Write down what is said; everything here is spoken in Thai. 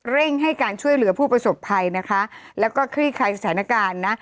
เร่งให้การช่วยเหลือผู้ประสบภัยนะคะแล้วก็คลี่คลายสถานการณ์นะ